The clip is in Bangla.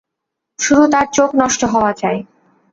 শুধু তার চোখ নষ্ট হওয়া চাই।